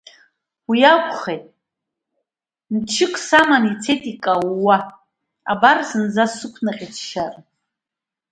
Уи акәхеит, мчык саман ицеит икаууа, абар, зынӡа сықәнаҟьеит сшьара…